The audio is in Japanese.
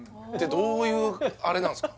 どういうあれなんですか？